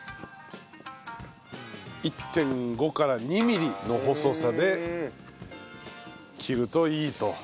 １．５から２ミリの細さで切るといいと。